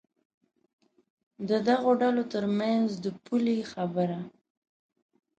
د دغو ډلو تر منځ د پولې خبره.